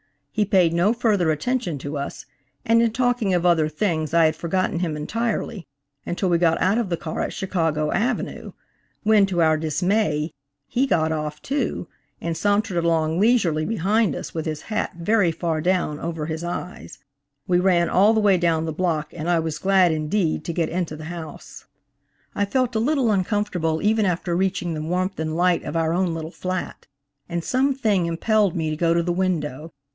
He paid no further attention to us, and in talking of other things I had forgotten him entirely until we got out of the car at Chicago avenue, when, to our dismay, he got off too, and sauntered along leisurely behind us with his hat very far down over his eyes. We ran all the way down the block, and I was glad, indeed, to get into the house. "WAS THAT TALL, BLACK THING OUTLINED ON THE CURTAIN THE PIANO LAMP?" I felt a little uncomfortable even after reaching the warmth and light of our own little flat. and some thing impelled me to go to the window.